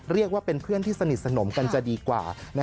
เรียกว่าเป็นเพื่อนที่สนิทสนมกันจะดีกว่า